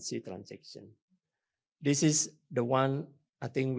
saya pikir masalah transaksi kewangan lokal